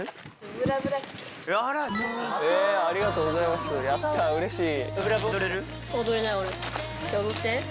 えありがとうございますやったうれしい。